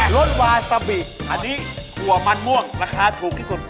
รสวาซาบิอันนี้ถั่วมันม่วงราคาถูกที่สุด